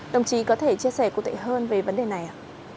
đồng chí có thể chia sẻ cụ thể hơn về vấn đề này ạ